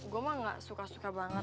gue mah gak suka suka banget